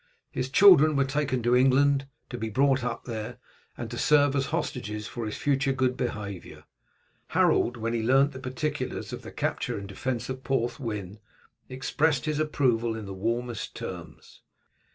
His children were taken to England, to be brought up there, and to serve as hostages for his future good behaviour. Harold, when he learnt the particulars of the capture and defence of Porthwyn, expressed his approval in the warmest terms.